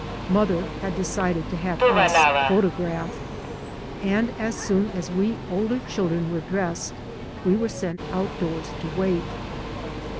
Mother had decided to have us photo graphed, and as soon as we older children were dressed we were sent out doors to watt.